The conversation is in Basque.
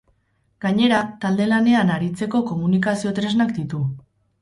Gainera, talde lanean aritzeko komunikazio tresnak ditu.